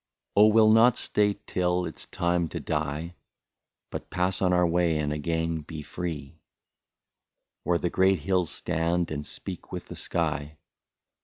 '* Oh ! we '11 not stay till it 's time to die, But pass on our way and again be free, Where the great hills stand and speak with the sky.